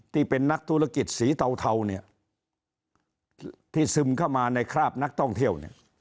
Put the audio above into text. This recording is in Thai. ที่เป็นนักธุรกิจสีเทาเนี่ยที่ซึมเข้ามาในคราบนักท่องเที่ยวเนี่ย